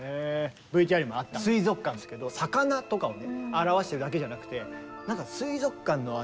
ＶＴＲにもあった「水族館」ですけど魚とかをね表しているだけじゃなくてなんか水族館のちょっと暗くて。